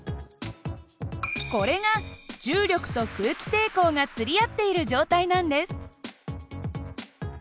これが重力と空気抵抗が釣り合っている状態なんです。